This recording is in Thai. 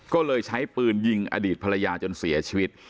ก็เลยใช้ปืนยิงอดีตภรรยาจนเสียชีวิต